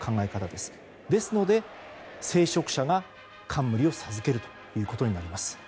ですので、聖職者が冠を授けるということになります。